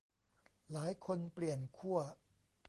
หลายคนเปลี่ยนขั้ว